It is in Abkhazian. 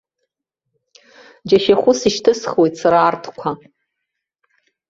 Џьашьахәыс ишьҭыхсуеит сара арҭқәа.